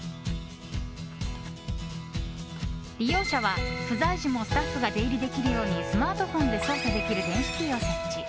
利用者は不在時もスタッフが出入りできるようにスマートフォンで操作できる電子キーを設置。